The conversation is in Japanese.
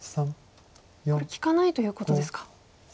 これ利かないということですか。